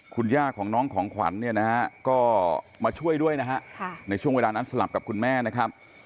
คุณย่าของน้องของขวัญเนี่ยนะฮะก็มาช่วยด้วยนะฮะในช่วงเวลานั้นสลับกับคุณแม่นะครับ